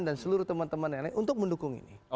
dan seluruh teman teman yang lain untuk mendukung ini